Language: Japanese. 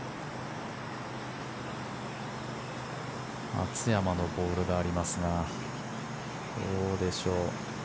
松山のボールがありますがどうでしょう。